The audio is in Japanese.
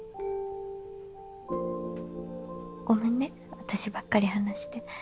ごめんね私ばっかり話して。